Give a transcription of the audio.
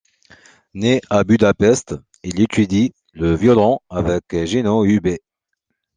Né à Budapest, il étudie le violon avec Jenő Hubay.